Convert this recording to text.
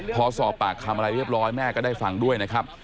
พอสอบปากคำอะไรเรียบร้อยแม่ก็ได้ฟังด้วยนะครับ